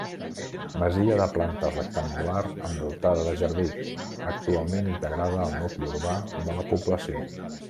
Masia de planta rectangular envoltada de jardí, actualment integrada al nucli urbà de la població.